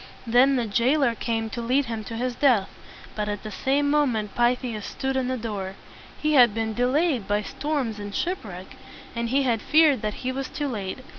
Then the jailer came to lead him to his death; but at the same moment Pythias stood in the door. He had been de layed by storms and ship wreck, and he had feared that he was too late.